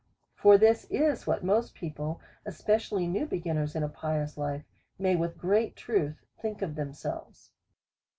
217 For tbis is what most people, especially new begin ners in a pious life, may with great truth think of themselves.